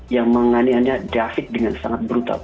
yang menganiaya david dengan sangat brutal